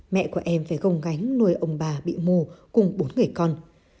mẹ của em phải gồng gánh nuôi ông bà bị mù cùng bốn người con